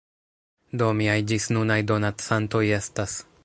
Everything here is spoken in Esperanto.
Do, miaj ĝisnunaj donacantoj estas